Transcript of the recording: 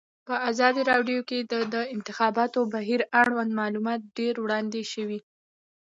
په ازادي راډیو کې د د انتخاباتو بهیر اړوند معلومات ډېر وړاندې شوي.